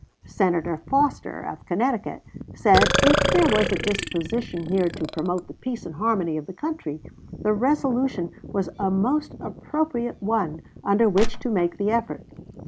Senator Foster, of Connecticut, said if there was a disposition here to promote the peace and harmony of the country, the resolution was a most appropriate one under which to make the effort.